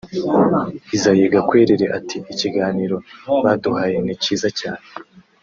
Isaie Gakwerere ati “Ikiganiro baduhaye ni cyiza cyane